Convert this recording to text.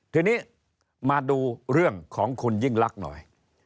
ทีนี้มาดูเรื่องของคุณยิ่งลักษณ์หน่อย